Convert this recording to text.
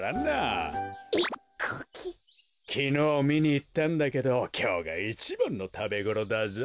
きのうみにいったんだけどきょうがいちばんのたべごろだぞ。